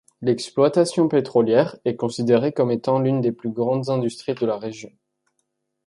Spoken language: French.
L'exploitation pétrolière est considérée comme étant l'une des plus grandes industries de la région.